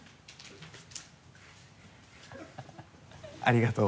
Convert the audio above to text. ありがとう。